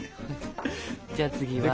じゃあ次は。